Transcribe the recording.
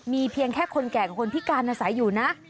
มีเพียงแค่คนแก่กับคนพิการอาศัยอยู่นะ